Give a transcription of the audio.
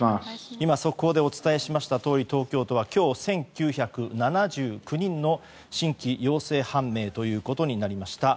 今、速報でお伝えしましたが今日、東京都は１９７９人の新規陽性判明ということになりました。